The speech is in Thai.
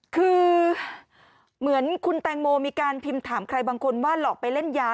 คือเหมือนคุณแตงโมมีการพิมพ์ถามใครบางคนว่าหลอกไปเล่นยา